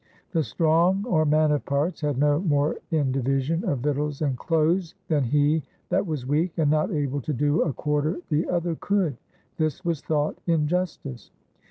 The strong, or man of parts, had no more in devission of victails and cloaths, than he that was weake and not able to doe a quarter the other could; this was thought injuestice.